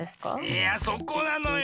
いやそこなのよ。